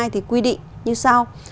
thì quy định như sau